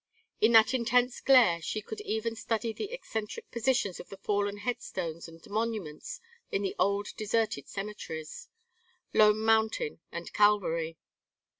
In that intense glare she could even study the eccentric positions of the fallen headstones and monuments in the old deserted cemeteries Lone Mountain and Calvary.